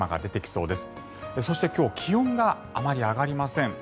そして今日気温があまり上がりません。